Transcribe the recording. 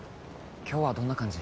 今日はどんな感じ？